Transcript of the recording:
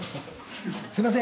「すいません